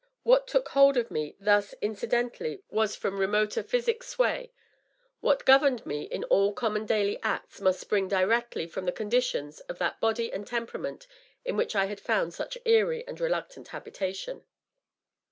What took hold of me thus in cidentally was from remoter psychic sway ; what governed me in all common daily acts must spring directly from the conditions of that body and temperament in which I had found such eerie and reluctant habitation.